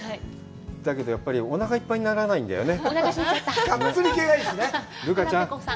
だけどやっぱり、おなかいっぱいにならないんだよね。